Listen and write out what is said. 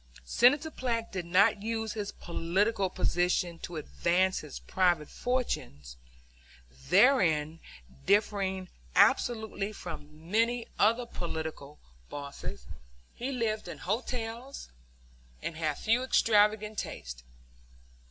Senator Platt did not use his political position to advance his private fortunes therein differing absolutely from many other political bosses. He lived in hotels and had few extravagant tastes.